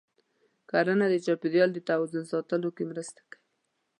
کرنه د چاپېریال د توازن ساتلو کې مرسته کوي.